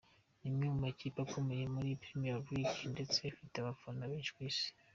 N’imwe mu makipe akomeye muri premier League ndetse ifite abafana benshi ku isi.